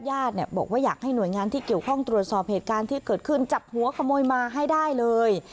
ญาติเนี่ยบอกว่าอยากให้หน่วยงานที่เกี่ยวข้องตรวจสอบเหตุการณ์ที่เกิดขึ้นจับหัวขโมยมาให้ได้เลย